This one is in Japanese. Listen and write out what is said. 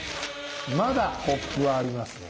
まだコップはありますね。